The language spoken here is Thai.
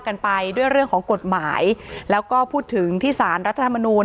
กันไปด้วยเรื่องของกฎหมายแล้วก็พูดถึงที่สารรัฐธรรมนูล